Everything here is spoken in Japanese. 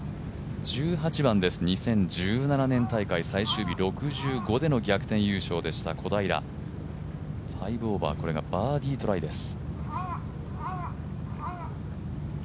１８番です、２０１７年大会最終日、６５での逆転優勝でした小平５オーバー、これがバーディートライです。